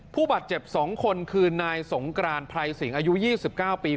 ผู้บาดเจ็บ๒คนคือนายสงกรานไพรสิงอายุ๒๙ปี